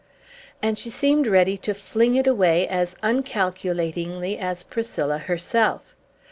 And she seemed ready to fling it away as uncalculatingly as Priscilla herself.